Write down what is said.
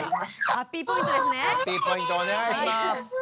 ハッピーポイントお願いします。